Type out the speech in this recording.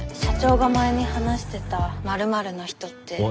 社長が前に話してたまるまるの人って。